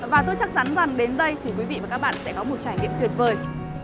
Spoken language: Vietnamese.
và tôi chắc chắn rằng đến đây thì quý vị và các bạn sẽ có một trải nghiệm tuyệt vời